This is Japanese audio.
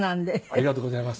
ありがとうございます。